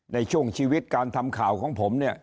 ในช่วงชีวิตการทำข่าวของผมเนี่ย